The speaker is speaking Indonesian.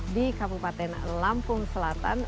ini kabupaten lampung selatan